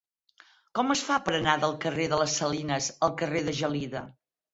Com es fa per anar del carrer de les Salines al carrer de Gelida?